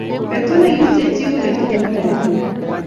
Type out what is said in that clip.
Betut nekisiche chi ko betut nepo kamanut